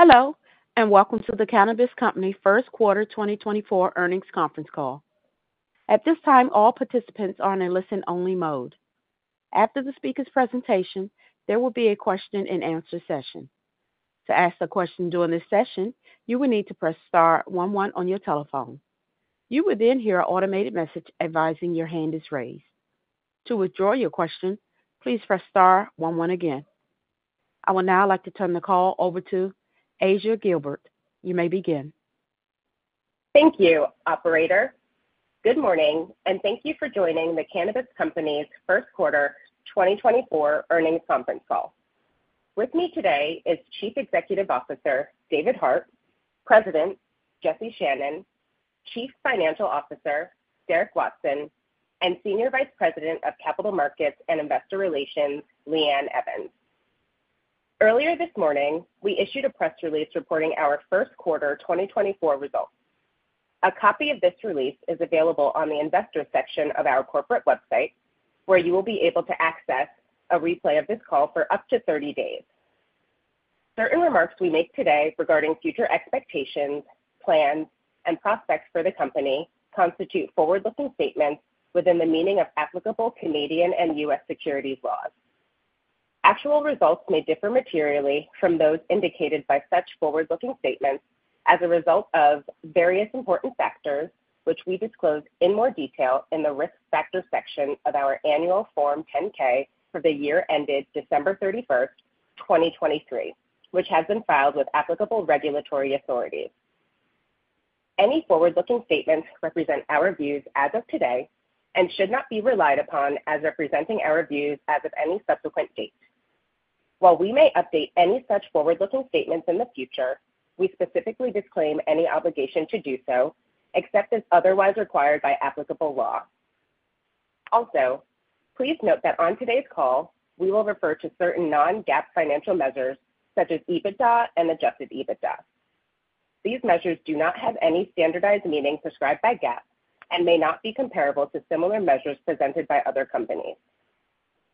Hello and welcome to The Cannabist Company first quarter 2024 earnings conference call. At this time, all participants are in a listen-only mode. After the speaker's presentation, there will be a question-and-answer session. To ask a question during this session, you will need to press star one one on your telephone. You will then hear an automated message advising your hand is raised. To withdraw your question, please press star one one again. I would now like to turn the call over to Asia Gilbert. You may begin. Thank you, operator. Good morning, and thank you for joining The Cannabist Company's first quarter 2024 earnings conference call. With me today is Chief Executive Officer David Hart, President Jesse Channon, Chief Financial Officer Derek Watson, and Senior Vice President of Capital Markets and Investor Relations Lee Ann Evans. Earlier this morning, we issued a press release reporting our first quarter 2024 results. A copy of this release is available on the investor section of our corporate website, where you will be able to access a replay of this call for up to 30 days. Certain remarks we make today regarding future expectations, plans, and prospects for the company constitute forward-looking statements within the meaning of applicable Canadian and U.S. securities laws. Actual results may differ materially from those indicated by such forward-looking statements as a result of various important factors, which we disclose in more detail in the risk factor section of our annual Form 10-K for the year ended December 31, 2023, which has been filed with applicable regulatory authorities. Any forward-looking statements represent our views as of today and should not be relied upon as representing our views as of any subsequent date. While we may update any such forward-looking statements in the future, we specifically disclaim any obligation to do so, except as otherwise required by applicable law. Also, please note that on today's call, we will refer to certain non-GAAP financial measures such as EBITDA and Adjusted EBITDA. These measures do not have any standardized meaning prescribed by GAAP and may not be comparable to similar measures presented by other companies.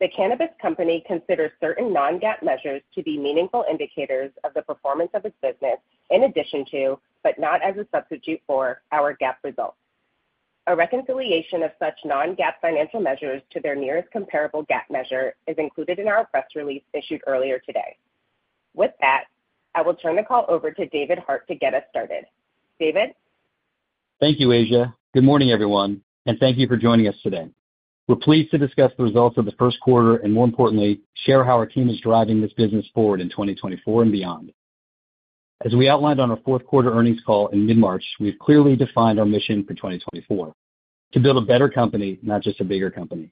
The Cannabist Company considers certain non-GAAP measures to be meaningful indicators of the performance of its business in addition to, but not as a substitute for, our GAAP results. A reconciliation of such non-GAAP financial measures to their nearest comparable GAAP measure is included in our press release issued earlier today. With that, I will turn the call over to David Hart to get us started. David? Thank you, Asia. Good morning, everyone, and thank you for joining us today. We're pleased to discuss the results of the first quarter and, more importantly, share how our team is driving this business forward in 2024 and beyond. As we outlined on our fourth quarter earnings call in mid-March, we've clearly defined our mission for 2024: to build a better company, not just a bigger company.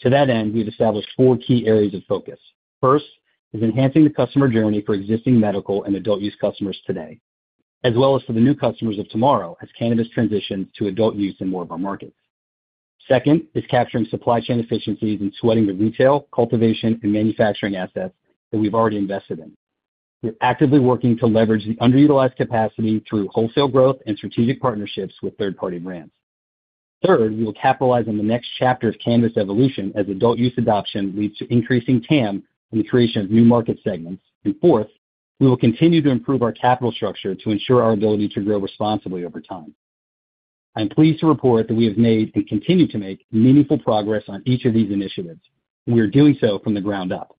To that end, we've established four key areas of focus. First is enhancing the customer journey for existing medical and adult use customers today, as well as for the new customers of tomorrow as cannabis transitions to adult use in more of our markets. Second is capturing supply chain efficiencies and sweating the retail, cultivation, and manufacturing assets that we've already invested in. We're actively working to leverage the underutilized capacity through wholesale growth and strategic partnerships with third-party brands. Third, we will capitalize on the next chapter of cannabis evolution as Adult Use adoption leads to increasing TAM and the creation of new market segments. Fourth, we will continue to improve our capital structure to ensure our ability to grow responsibly over time. I am pleased to report that we have made and continue to make meaningful progress on each of these initiatives, and we are doing so from the ground up.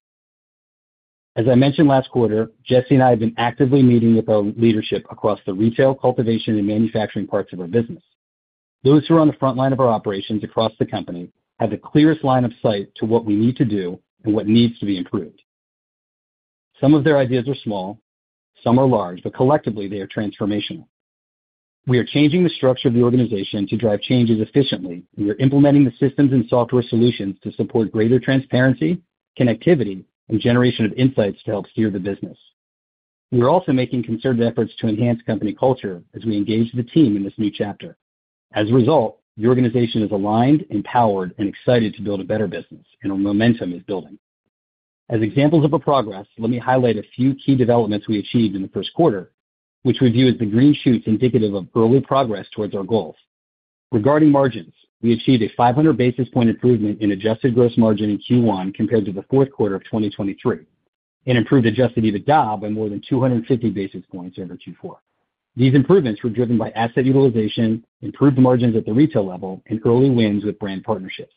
As I mentioned last quarter, Jesse and I have been actively meeting with our leadership across the retail, cultivation, and manufacturing parts of our business. Those who are on the front line of our operations across the company have the clearest line of sight to what we need to do and what needs to be improved. Some of their ideas are small, some are large, but collectively they are transformational. We are changing the structure of the organization to drive changes efficiently, and we are implementing the systems and software solutions to support greater transparency, connectivity, and generation of insights to help steer the business. We are also making concerted efforts to enhance company culture as we engage the team in this new chapter. As a result, the organization is aligned, empowered, and excited to build a better business, and momentum is building. As examples of our progress, let me highlight a few key developments we achieved in the first quarter, which we view as the green shoots indicative of early progress towards our goals. Regarding margins, we achieved a 500 basis point improvement in adjusted gross margin in Q1 compared to the fourth quarter of 2023 and improved Adjusted EBITDA by more than 250 basis points over Q4. These improvements were driven by asset utilization, improved margins at the retail level, and early wins with brand partnerships.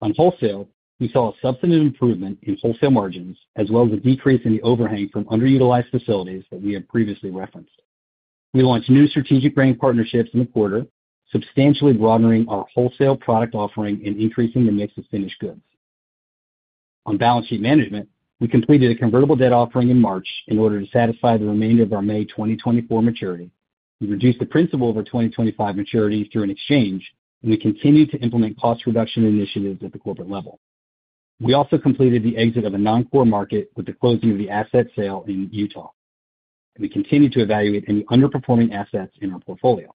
On wholesale, we saw a substantive improvement in wholesale margins as well as a decrease in the overhang from underutilized facilities that we have previously referenced. We launched new strategic brand partnerships in the quarter, substantially broadening our wholesale product offering and increasing the mix of finished goods. On balance sheet management, we completed a convertible debt offering in March in order to satisfy the remainder of our May 2024 maturity. We reduced the principal of our 2025 maturity through an exchange, and we continue to implement cost reduction initiatives at the corporate level. We also completed the exit of a non-core market with the closing of the asset sale in Utah, and we continue to evaluate any underperforming assets in our portfolio.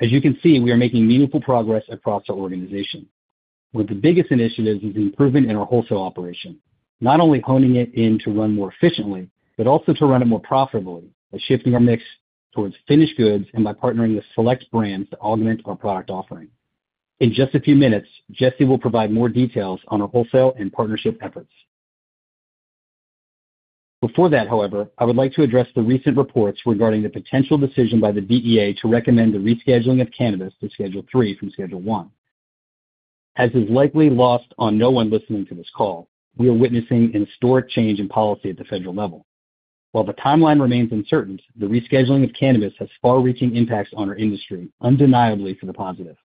As you can see, we are making meaningful progress across our organization. One of the biggest initiatives is the improvement in our wholesale operation, not only honing it in to run more efficiently but also to run it more profitably by shifting our mix towards finished goods and by partnering with select brands to augment our product offering. In just a few minutes, Jesse will provide more details on our wholesale and partnership efforts. Before that, however, I would like to address the recent reports regarding the potential decision by the DEA to recommend the rescheduling of cannabis to Schedule III from Schedule I. As is likely lost on no one listening to this call, we are witnessing a historic change in policy at the federal level. While the timeline remains uncertain, the rescheduling of cannabis has far-reaching impacts on our industry, undeniably for the positive.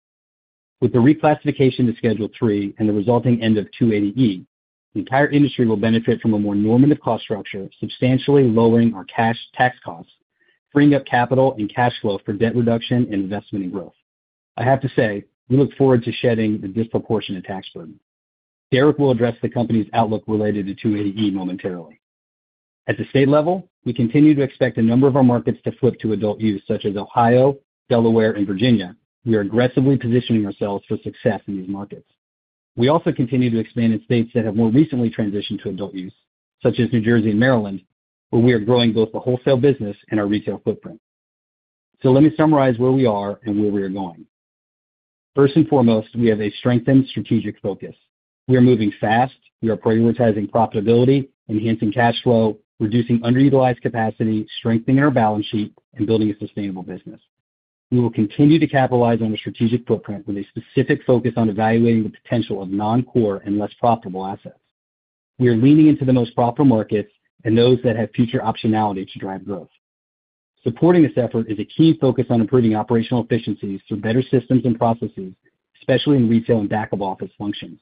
With the reclassification to Schedule III and the resulting end of 280E, the entire industry will benefit from a more normative cost structure, substantially lowering our cash tax costs, freeing up capital and cash flow for debt reduction and investment in growth. I have to say, we look forward to shedding the disproportionate tax burden. Derek will address the company's outlook related to 280E momentarily. At the state level, we continue to expect a number of our markets to flip to adult use, such as Ohio, Delaware, and Virginia. We are aggressively positioning ourselves for success in these markets. We also continue to expand in states that have more recently transitioned to adult use, such as New Jersey and Maryland, where we are growing both the wholesale business and our retail footprint. Let me summarize where we are and where we are going. First and foremost, we have a strengthened strategic focus. We are moving fast. We are prioritizing profitability, enhancing cash flow, reducing underutilized capacity, strengthening our balance sheet, and building a sustainable business. We will continue to capitalize on our strategic footprint with a specific focus on evaluating the potential of non-core and less profitable assets. We are leaning into the most profitable markets and those that have future optionality to drive growth. Supporting this effort is a key focus on improving operational efficiencies through better systems and processes, especially in retail and back-of-office functions.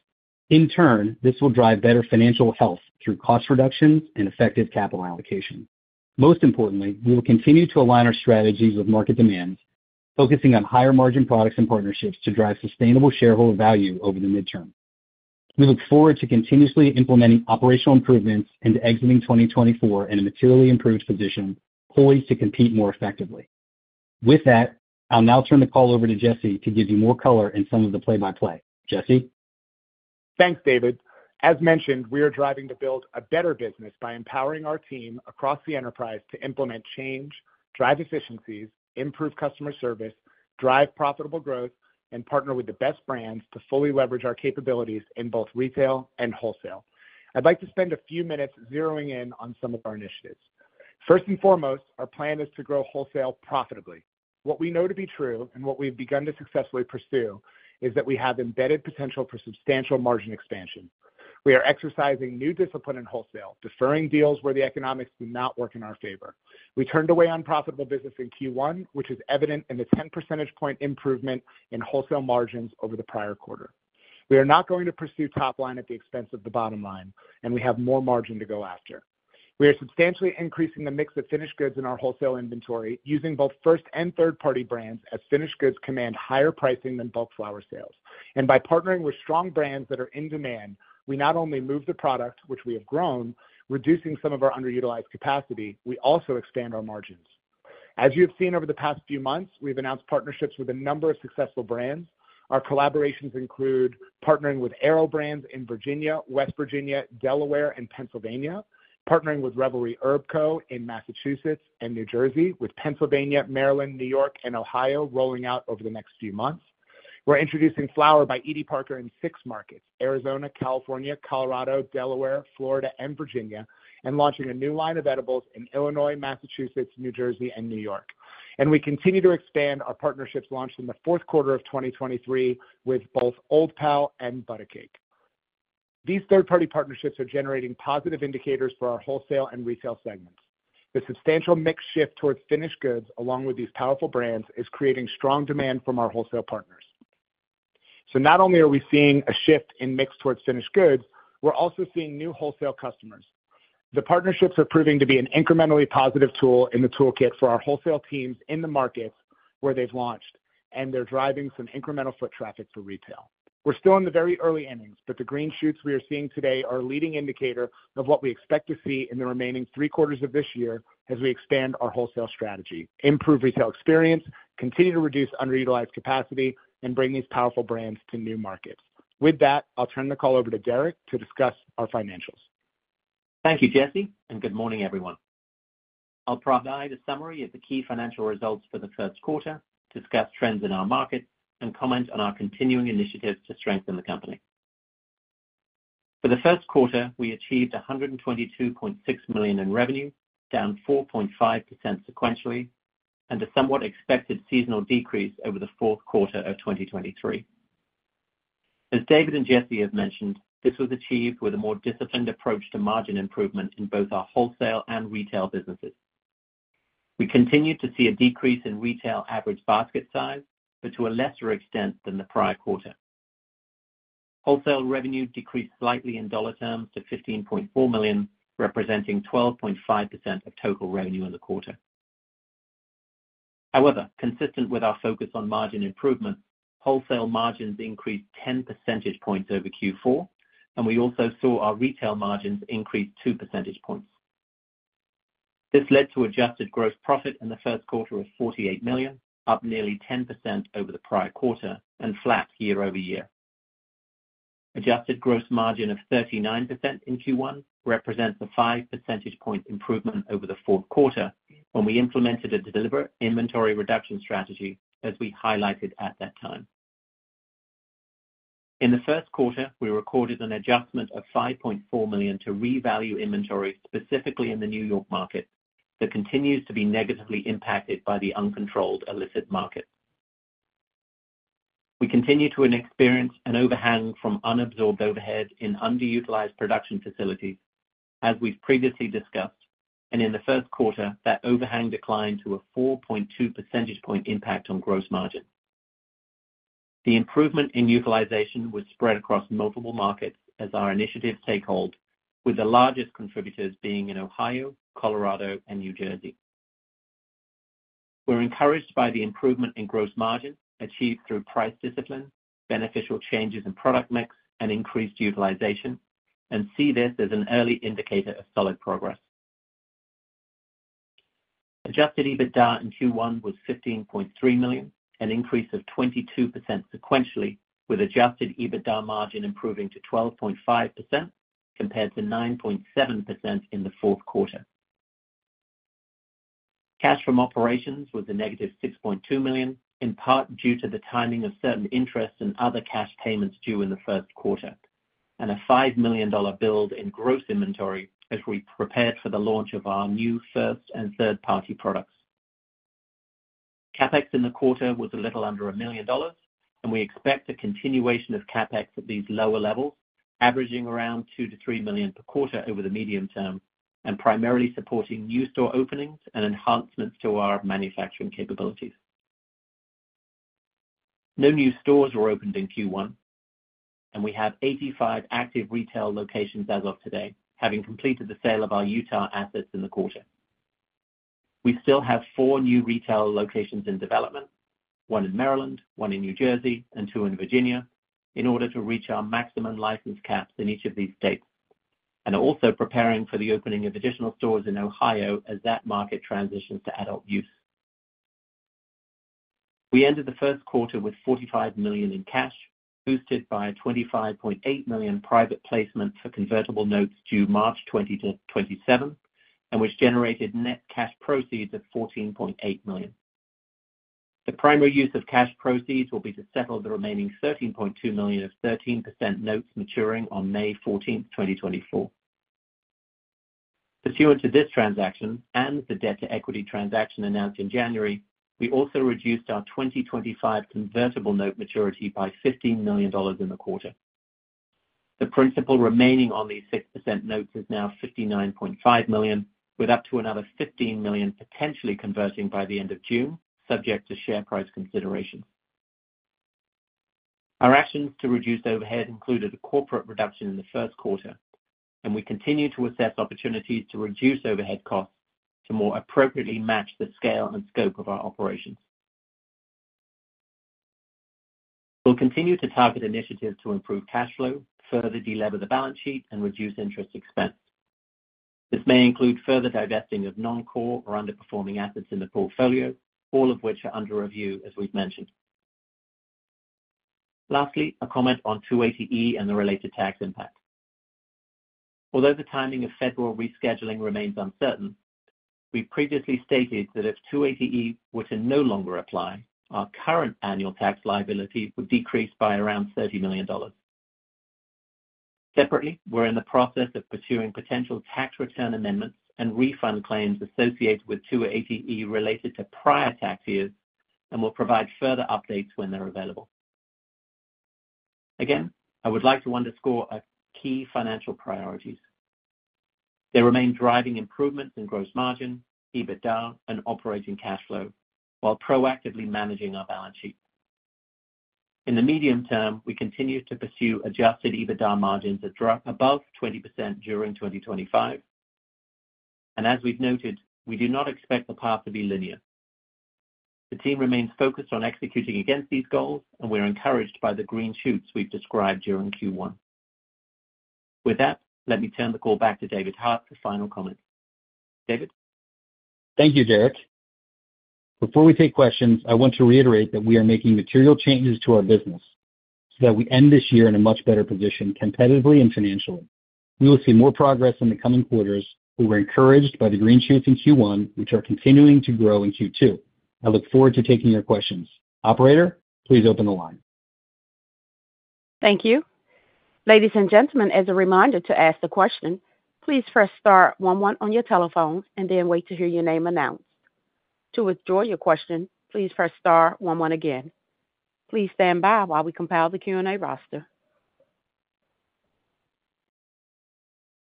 In turn, this will drive better financial health through cost reductions and effective capital allocation. Most importantly, we will continue to align our strategies with market demands, focusing on higher margin products and partnerships to drive sustainable shareholder value over the midterm. We look forward to continuously implementing operational improvements into entering 2024 in a materially improved position poised to compete more effectively. With that, I'll now turn the call over to Jesse to give you more color in some of the play-by-play. Jesse? Thanks, David. As mentioned, we are driving to build a better business by empowering our team across the enterprise to implement change, drive efficiencies, improve customer service, drive profitable growth, and partner with the best brands to fully leverage our capabilities in both retail and wholesale. I'd like to spend a few minutes zeroing in on some of our initiatives. First and foremost, our plan is to grow wholesale profitably. What we know to be true and what we have begun to successfully pursue is that we have embedded potential for substantial margin expansion. We are exercising new discipline in wholesale, deferring deals where the economics do not work in our favor. We turned away unprofitable business in Q1, which is evident in the 10 percentage point improvement in wholesale margins over the prior quarter. We are not going to pursue top line at the expense of the bottom line, and we have more margin to go after. We are substantially increasing the mix of finished goods in our wholesale inventory, using both first and third-party brands as finished goods command higher pricing than bulk flower sales. By partnering with strong brands that are in demand, we not only move the product, which we have grown, reducing some of our underutilized capacity, we also expand our margins. As you have seen over the past few months, we have announced partnerships with a number of successful brands. Our collaborations include partnering with Airo Brands in Virginia, West Virginia, Delaware, and Pennsylvania, partnering with Revelry Herb Co. in Massachusetts and New Jersey, with Pennsylvania, Maryland, New York, and Ohio rolling out over the next few months. We're introducing Flower by Edie Parker in six markets: Arizona, California, Colorado, Delaware, Florida, and Virginia, and launching a new line of edibles in Illinois, Massachusetts, New Jersey, and New York. We continue to expand our partnerships launched in the fourth quarter of 2023 with both Old Pal and ButACake. These third-party partnerships are generating positive indicators for our wholesale and retail segments. The substantial mix shift towards finished goods, along with these powerful brands, is creating strong demand from our wholesale partners. Not only are we seeing a shift in mix towards finished goods, we're also seeing new wholesale customers. The partnerships are proving to be an incrementally positive tool in the toolkit for our wholesale teams in the markets where they've launched, and they're driving some incremental foot traffic for retail. We're still in the very early innings, but the green shoots we are seeing today are a leading indicator of what we expect to see in the remaining three quarters of this year as we expand our wholesale strategy, improve retail experience, continue to reduce underutilized capacity, and bring these powerful brands to new markets. With that, I'll turn the call over to Derek to discuss our financials. Thank you, Jesse, and good morning, everyone. I'll provide a summary of the key financial results for the first quarter, discuss trends in our market, and comment on our continuing initiatives to strengthen the company. For the first quarter, we achieved $122.6 million in revenue, down 4.5% sequentially, and a somewhat expected seasonal decrease over the fourth quarter of 2023. As David and Jesse have mentioned, this was achieved with a more disciplined approach to margin improvement in both our wholesale and retail businesses. We continued to see a decrease in retail average basket size, but to a lesser extent than the prior quarter. Wholesale revenue decreased slightly in dollar terms to $15.4 million, representing 12.5% of total revenue in the quarter. However, consistent with our focus on margin improvement, wholesale margins increased 10 percentage points over Q4, and we also saw our retail margins increase two percentage points. This led to adjusted gross profit in the first quarter of $48 million, up nearly 10% over the prior quarter and flat year-over-year. Adjusted gross margin of 39% in Q1 represents a five percentage point improvement over the fourth quarter when we implemented a deliberate inventory reduction strategy, as we highlighted at that time. In the first quarter, we recorded an adjustment of $5.4 million to revalue inventory specifically in the New York market that continues to be negatively impacted by the uncontrolled illicit market. We continue to experience an overhang from unabsorbed overhead in underutilized production facilities, as we've previously discussed, and in the first quarter, that overhang declined to a four point two percentage point impact on gross margin. The improvement in utilization was spread across multiple markets as our initiative stake hold, with the largest contributors being in Ohio, Colorado, and New Jersey. We're encouraged by the improvement in gross margin achieved through price discipline, beneficial changes in product mix, and increased utilization, and see this as an early indicator of solid progress. Adjusted EBITDA in Q1 was $15.3 million, an increase of 22% sequentially, with adjusted EBITDA margin improving to 12.5% compared to 9.7% in the fourth quarter. Cash from operations was -$6.2 million, in part due to the timing of certain interest and other cash payments due in the first quarter, and a $5 million build in gross inventory as we prepared for the launch of our new first- and third-party products. CapEx in the quarter was a little under $1 million, and we expect a continuation of CapEx at these lower levels, averaging around $2 million-$3 million per quarter over the medium term, and primarily supporting new store openings and enhancements to our manufacturing capabilities. No new stores were opened in Q1, and we have 85 active retail locations as of today, having completed the sale of our Utah assets in the quarter. We still have four new retail locations in development, one in Maryland, one in New Jersey, and two in Virginia, in order to reach our maximum license caps in each of these states, and are also preparing for the opening of additional stores in Ohio as that market transitions to adult use. We ended the first quarter with $45 million in cash, boosted by $25.8 million private placements for convertible notes due March 2027, and which generated net cash proceeds of $14.8 million. The primary use of cash proceeds will be to settle the remaining $13.2 million of 13% notes maturing on May 14, 2024. Pursuant to this transaction and the debt to equity transaction announced in January, we also reduced our 2025 convertible note maturity by $15 million in the quarter. The principal remaining on these 6% notes is now $59.5 million, with up to another $15 million potentially converting by the end of June, subject to share price considerations. Our actions to reduce overhead included a corporate reduction in the first quarter, and we continue to assess opportunities to reduce overhead costs to more appropriately match the scale and scope of our operations. We'll continue to target initiatives to improve cash flow, further delever the balance sheet, and reduce interest expense. This may include further divesting of non-core or underperforming assets in the portfolio, all of which are under review, as we've mentioned. Lastly, a comment on 280E and the related tax impact. Although the timing of federal rescheduling remains uncertain, we previously stated that if 280E were to no longer apply, our current annual tax liability would decrease by around $30 million. Separately, we're in the process of pursuing potential tax return amendments and refund claims associated with 280E related to prior tax years and will provide further updates when they're available. Again, I would like to underscore key financial priorities. They remain driving improvements in gross margin, EBITDA, and operating cash flow while proactively managing our balance sheet. In the medium term, we continue to pursue Adjusted EBITDA margins above 20% during 2025. As we've noted, we do not expect the path to be linear. The team remains focused on executing against these goals, and we're encouraged by the green shoots we've described during Q1. With that, let me turn the call back to David Hart for final comments. David? Thank you, Derek. Before we take questions, I want to reiterate that we are making material changes to our business so that we end this year in a much better position competitively and financially. We will see more progress in the coming quarters, which we're encouraged by the green shoots in Q1, which are continuing to grow in Q2. I look forward to taking your questions. Operator, please open the line. Thank you. Ladies and gentlemen, as a reminder to ask the question, please press star one one on your telephone and then wait to hear your name announced. To withdraw your question, please press star one one again. Please stand by while we compile the Q&A roster.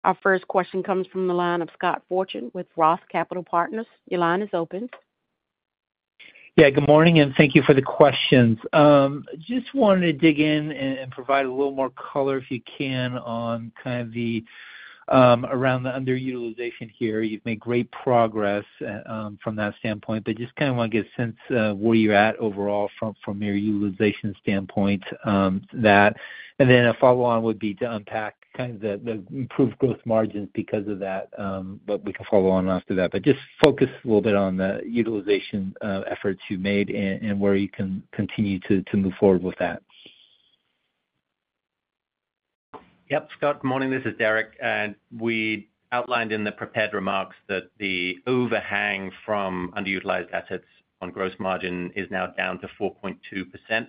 Our first question comes from the line of Scott Fortune with Roth Capital Partners. Your line is open. Yeah, good morning, and thank you for the questions. Just wanted to dig in and provide a little more color, if you can, on kind of the around the underutilization here. You've made great progress from that standpoint, but just kind of want to get a sense of where you're at overall from your utilization standpoint. And then a follow-on would be to unpack kind of the improved gross margins because of that, but we can follow on after that. But just focus a little bit on the utilization efforts you made and where you can continue to move forward with that. Yep, Scott, good morning. This is Derek. We outlined in the prepared remarks that the overhang from underutilized assets on gross margin is now down to 4.2%.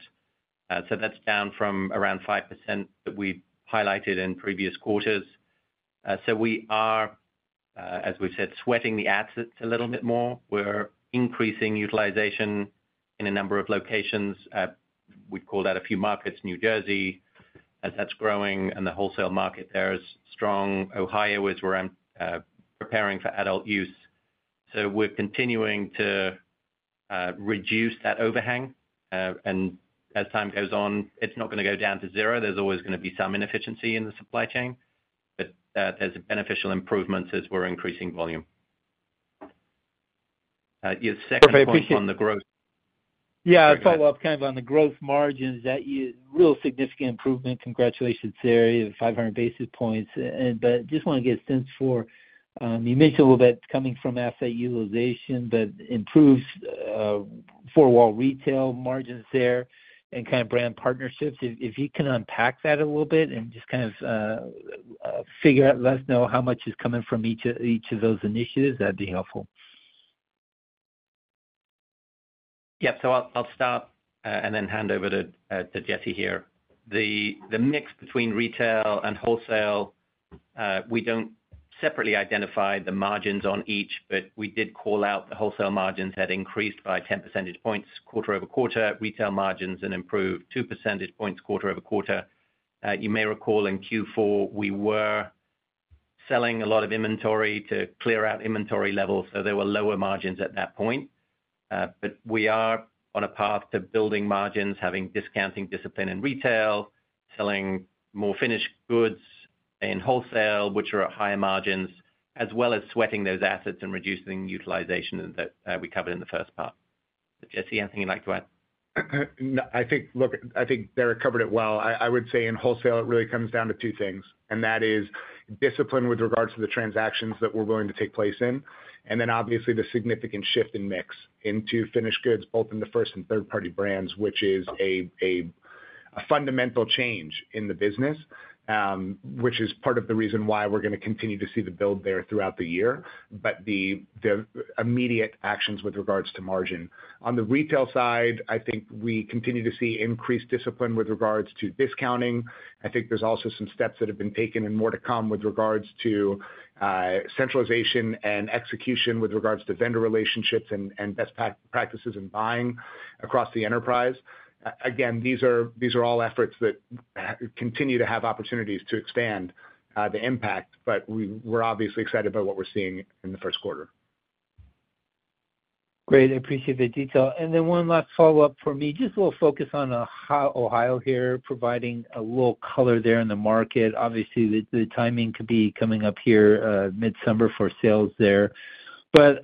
That's down from around 5% that we highlighted in previous quarters. We are, as we've said, sweating the assets a little bit more. We're increasing utilization in a number of locations. We've called out a few markets, New Jersey, as that's growing, and the wholesale market there is strong. Ohio is where I'm preparing for adult use. We're continuing to reduce that overhang. As time goes on, it's not going to go down to zero. There's always going to be some inefficiency in the supply chain, but there's beneficial improvements as we're increasing volume. Your second comment on the growth. Yeah, follow-up kind of on the growth margins, that real significant improvement. Congratulations, Derek, of 500 basis points. But just want to get a sense for you mentioned a little bit coming from asset utilization, but improves four-wall retail margins there and kind of brand partnerships. If you can unpack that a little bit and just kind of figure out, let us know how much is coming from each of those initiatives, that'd be helpful. Yep, so I'll stop and then hand over to Jesse here. The mix between retail and wholesale, we don't separately identify the margins on each, but we did call out the wholesale margins had increased by 10 percentage points quarter-over-quarter, retail margins had improved two percentage points quarter-over-quarter. You may recall in Q4, we were selling a lot of inventory to clear out inventory levels, so there were lower margins at that point. But we are on a path to building margins, having discounting discipline in retail, selling more finished goods in wholesale, which are at higher margins, as well as sweating those assets and reducing utilization that we covered in the first part. Jesse, anything you'd like to add? I think, look, I think Derek covered it well. I would say in wholesale, it really comes down to two things, and that is discipline with regards to the transactions that we're willing to take place in, and then obviously the significant shift in mix into finished goods, both in the first and third-party brands, which is a fundamental change in the business, which is part of the reason why we're going to continue to see the build there throughout the year, but the immediate actions with regards to margin. On the retail side, I think we continue to see increased discipline with regards to discounting. I think there's also some steps that have been taken and more to come with regards to centralization and execution with regards to vendor relationships and best practices in buying across the enterprise. Again, these are all efforts that continue to have opportunities to expand the impact, but we're obviously excited by what we're seeing in the first quarter. Great. I appreciate the detail. And then one last follow-up for me, just a little focus on Ohio here, providing a little color there in the market. Obviously, the timing could be coming up here mid-summer for sales there. But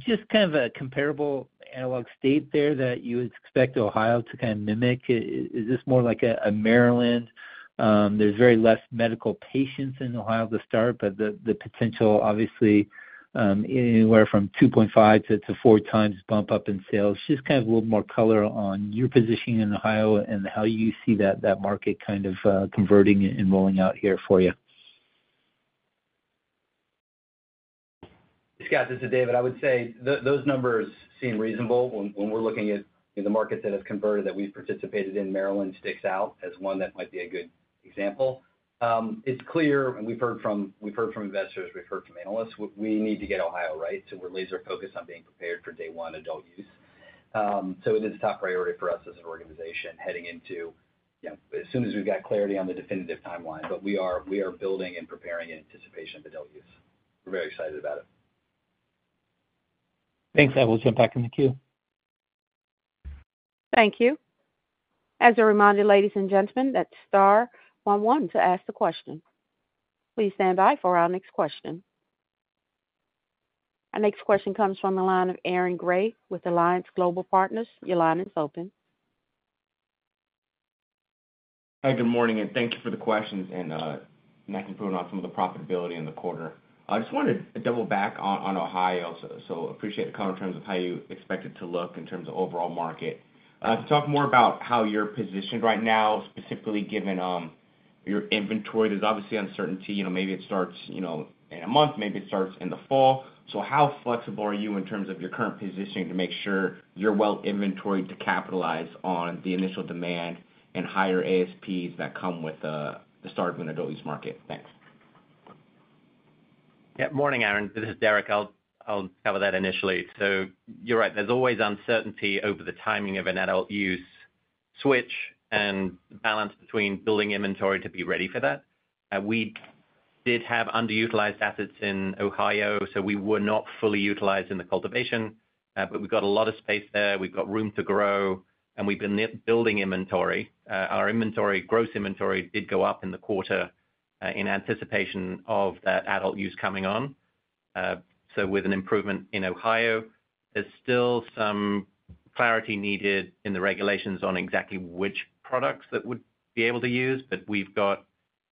just kind of a comparable analog state there that you would expect Ohio to kind of mimic, is this more like a Maryland? There's very less medical patients in Ohio to start, but the potential, obviously, anywhere from 2.5x-4x bump up in sales. Just kind of a little more color on your positioning in Ohio and how you see that market kind of converting and rolling out here for you. Scott, this is David. I would say those numbers seem reasonable. When we're looking at the markets that have converted that we've participated in, Maryland sticks out as one that might be a good example. It's clear, and we've heard from investors, we've heard from analysts, we need to get Ohio, right? So we're laser-focused on being prepared for day one adult use. So it is a top priority for us as an organization heading into as soon as we've got clarity on the definitive timeline. But we are building and preparing in anticipation of adult use. We're very excited about it. Thanks. I will jump back in the queue. Thank you. As a reminder, ladies and gentlemen, that's star one one to ask the question. Please stand by for our next question. Our next question comes from the line of Aaron Grey with Alliance Global Partners. Your line is open. Hi, good morning. Thank you for the questions and knocking through on some of the profitability in the quarter. I just wanted to double back on Ohio, so appreciate the comment in terms of how you expect it to look in terms of overall market. Can you talk more about how you're positioned right now, specifically given your inventory? There's obviously uncertainty. Maybe it starts in a month, maybe it starts in the fall. So how flexible are you in terms of your current positioning to make sure you're well inventoried to capitalize on the initial demand and higher ASPs that come with the start of an adult use market? Thanks. Yeah, morning, Aaron. This is Derek. I'll cover that initially. So you're right. There's always uncertainty over the timing of an Adult Use switch and the balance between building inventory to be ready for that. We did have underutilized assets in Ohio, so we were not fully utilized in the cultivation, but we've got a lot of space there. We've got room to grow, and we've been building inventory. Our gross inventory did go up in the quarter in anticipation of that Adult Use coming on. So with an improvement in Ohio, there's still some clarity needed in the regulations on exactly which products that would be able to use. But we've got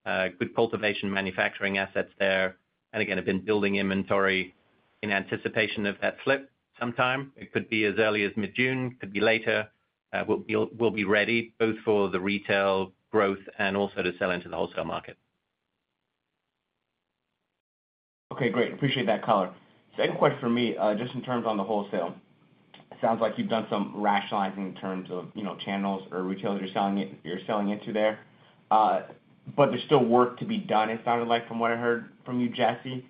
good cultivation manufacturing assets there. And again, I've been building inventory in anticipation of that flip sometime. It could be as early as mid-June, could be later. We'll be ready both for the retail growth and also to sell into the wholesale market. Okay, great. Appreciate that color. So any question for me just in terms on the wholesale? Sounds like you've done some rationalizing in terms of channels or retailers you're selling into there. But there's still work to be done, it sounded like, from what I heard from you, Jesse.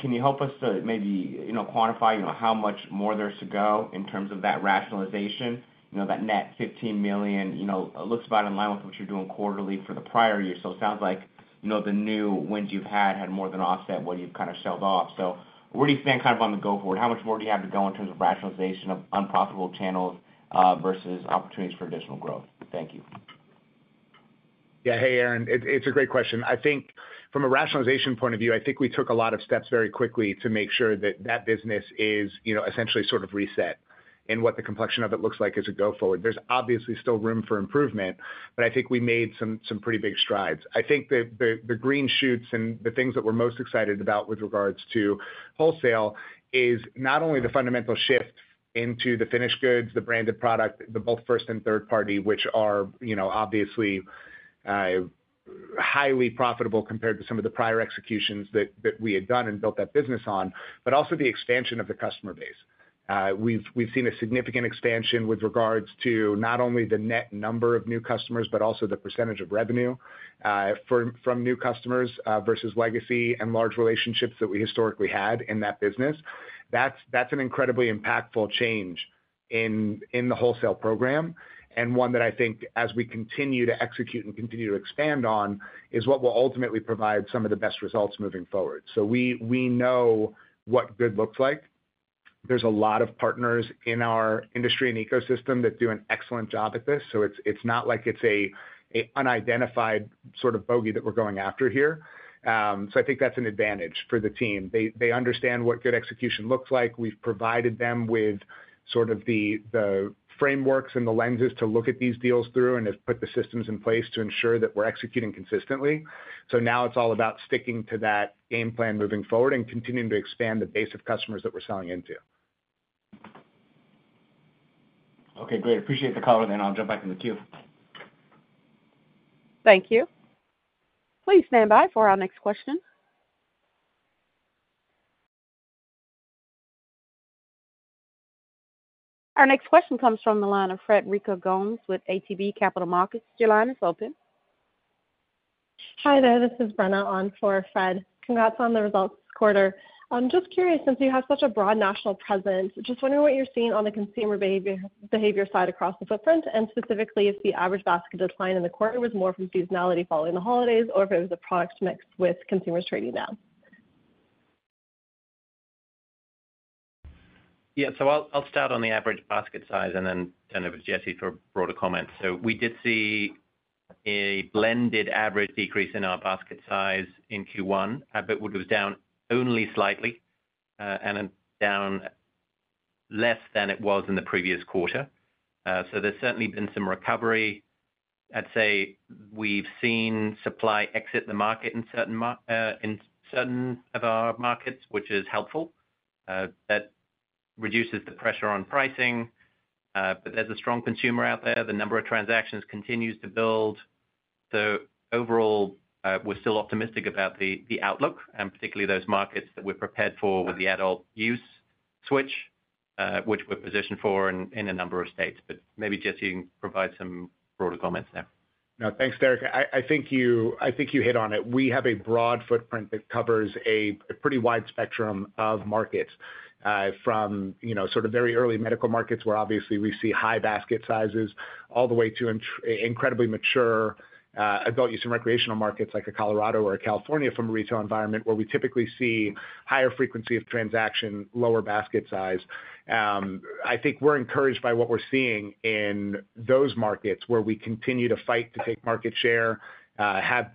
Can you help us to maybe quantify how much more there's to go in terms of that rationalization, that net $15 million? It looks about in line with what you're doing quarterly for the prior year. So it sounds like the new wins you've had had more than offset what you've kind of shed off. So where do you stand kind of on the go-forward? How much more do you have to go in terms of rationalization of unprofitable channels versus opportunities for additional growth? Thank you. Yeah, hey, Aaron. It's a great question. From a rationalization point of view, I think we took a lot of steps very quickly to make sure that that business is essentially sort of reset in what the complexion of it looks like as we go forward. There's obviously still room for improvement, but I think we made some pretty big strides. I think the green shoots and the things that we're most excited about with regards to wholesale is not only the fundamental shift into the finished goods, the branded product, both first and third-party, which are obviously highly profitable compared to some of the prior executions that we had done and built that business on, but also the expansion of the customer base. We've seen a significant expansion with regards to not only the net number of new customers, but also the percentage of revenue from new customers versus legacy and large relationships that we historically had in that business. That's an incredibly impactful change in the wholesale program and one that I think, as we continue to execute and continue to expand on, is what will ultimately provide some of the best results moving forward. So we know what good looks like. There's a lot of partners in our industry and ecosystem that do an excellent job at this. So it's not like it's an unidentified sort of bogey that we're going after here. So I think that's an advantage for the team. They understand what good execution looks like. We've provided them with sort of the frameworks and the lenses to look at these deals through and have put the systems in place to ensure that we're executing consistently. So now it's all about sticking to that game plan moving forward and continuing to expand the base of customers that we're selling into. Okay, great. Appreciate the color, then. I'll jump back in the queue. Thank you. Please stand by for our next question. Our next question comes from the line of Frederico Gomes with ATB Capital Markets. Your line is open. Hi there. This is Brenna on for Fred. Congrats on the results this quarter. I'm just curious, since you have such a broad national presence, just wondering what you're seeing on the consumer behavior side across the footprint and specifically if the average basket decline in the quarter was more from seasonality following the holidays or if it was a product mix with consumers trading down. Yeah, so I'll start on the average basket size and then turn over to Jesse for a broader comment. So we did see a blended average decrease in our basket size in Q1, but it was down only slightly and down less than it was in the previous quarter. So there's certainly been some recovery. I'd say we've seen supply exit the market in certain of our markets, which is helpful. That reduces the pressure on pricing. But there's a strong consumer out there. The number of transactions continues to build. So overall, we're still optimistic about the outlook, and particularly those markets that we're prepared for with the adult-use switch, which we're positioned for in a number of states. But maybe, Jesse, you can provide some broader comments there. No, thanks, Derek. I think you hit on it. We have a broad footprint that covers a pretty wide spectrum of markets, from sort of very early medical markets where obviously we see high basket sizes all the way to incredibly mature adult use and recreational markets like a Colorado or a California from a retail environment where we typically see higher frequency of transaction, lower basket size. I think we're encouraged by what we're seeing in those markets where we continue to fight to take market share, have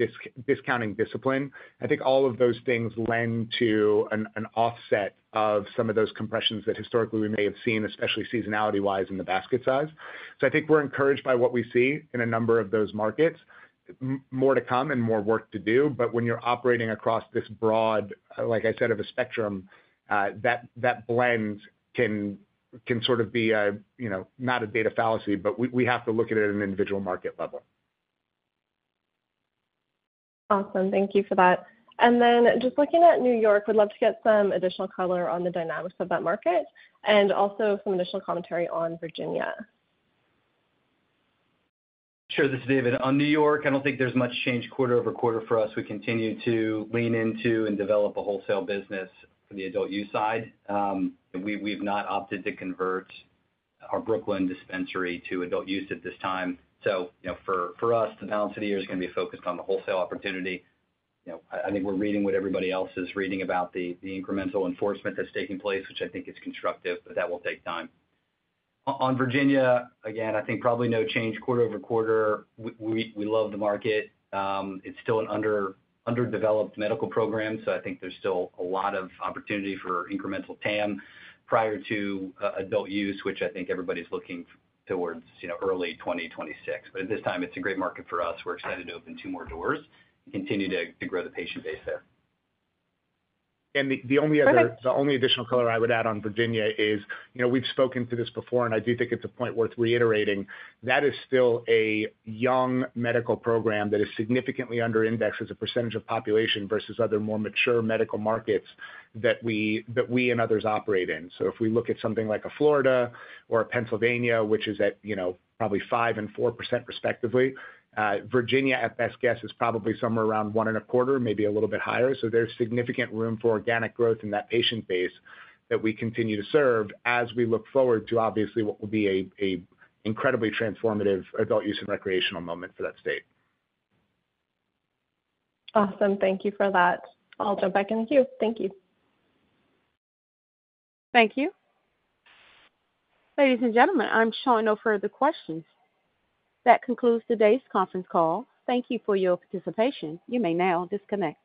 discounting discipline. I think all of those things lend to an offset of some of those compressions that historically we may have seen, especially seasonality-wise in the basket size. So I think we're encouraged by what we see in a number of those markets. More to come and more work to do. But when you're operating across this broad, like I said, of a spectrum, that blend can sort of be not a data fallacy, but we have to look at it at an individual market level. Awesome. Thank you for that. And then just looking at New York, we'd love to get some additional color on the dynamics of that market and also some additional commentary on Virginia. Sure. This is David. On New York, I don't think there's much change quarter-over-quarter for us. We continue to lean into and develop a wholesale business for the adult use side. We've not opted to convert our Brooklyn dispensary to adult use at this time. So for us, the balance of the year is going to be focused on the wholesale opportunity. I think we're reading what everybody else is reading about the incremental enforcement that's taking place, which I think is constructive, but that will take time. On Virginia, again, I think probably no change quarter-over-quarter. We love the market. It's still an underdeveloped medical program, so I think there's still a lot of opportunity for incremental TAM prior to adult use, which I think everybody's looking towards early 2026. But at this time, it's a great market for us. We're excited to open two more doors and continue to grow the patient base there. The only additional color I would add on Virginia is we've spoken to this before, and I do think it's a point worth reiterating. That is still a young medical program that is significantly underindexed as a percentage of population versus other more mature medical markets that we and others operate in. So if we look at something like a Florida or a Pennsylvania, which is at probably 5% and 4%, respectively, Virginia, at best guess, is probably somewhere around 1.25%, maybe a little bit higher. So there's significant room for organic growth in that patient base that we continue to serve as we look forward to, obviously, what will be an incredibly transformative adult use and recreational moment for that state. Awesome. Thank you for that. I'll jump back in the queue. Thank you. Thank you. Ladies and gentlemen, I'm showing no further questions. That concludes today's conference call. Thank you for your participation. You may now disconnect.